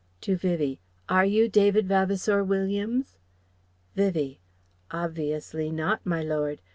(To Vivie) "Are you David Vavasour Williams?" Vivie: "Obviously not, my Lord.